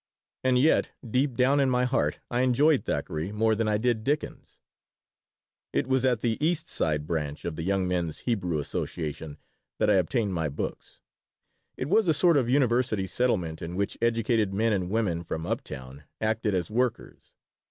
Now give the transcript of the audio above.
And yet deep down in my heart I enjoyed Thackeray more than I did Dickens, It was at the East Side branch of the Young Men's Hebrew Association that I obtained my books. It was a sort of university settlement in which educated men and women from up town acted as "workers."